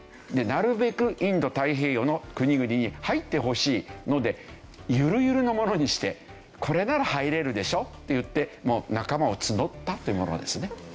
なるべくインド太平洋の国々に入ってほしいのでゆるゆるのものにしてこれなら入れるでしょ？といって仲間を募ったというものですね。